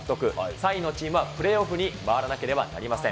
３位のチームはプレーオフに回らなければなりません。